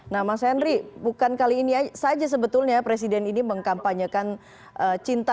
nah mas henry bukan kali ini saja sebetulnya presiden ini mengkampanyekan cinta